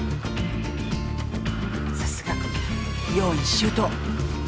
さすが用意周到！